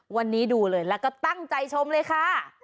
วันนี้ดูเลยแล้วก็ตั้งใจชมเลยค่ะ